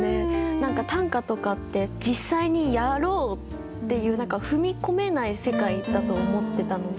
何か短歌とかって実際に「やろう！」っていう何か踏み込めない世界だと思ってたので。